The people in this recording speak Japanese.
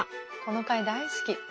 この回大好き。